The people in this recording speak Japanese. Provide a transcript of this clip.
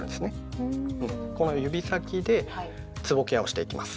この指先でつぼケアをしていきます。